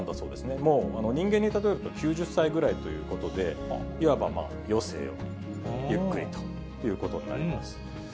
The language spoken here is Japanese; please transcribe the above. もう人間にたとえると９０歳くらいということで、いわば、余生をゆっくりということになります。